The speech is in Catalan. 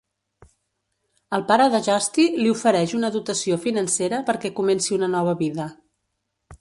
El pare de Justy li ofereix una dotació financera perquè comenci una nova vida.